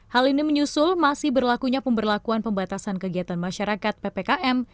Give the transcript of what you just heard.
hal ini menyusul masih berlakunya pemberlakuan pembatasan kegiatan masyarakat ppkm